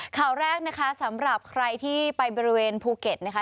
ข่าวแรกนะคะสำหรับใครที่ไปบริเวณภูเก็ตนะคะ